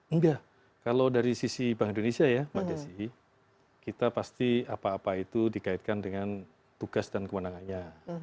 enggak kalau dari sisi bank indonesia ya mbak desi kita pasti apa apa itu dikaitkan dengan tugas dan kewenangannya